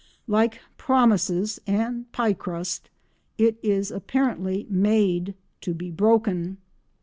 Like promises and pie crust it is apparently made to be broken.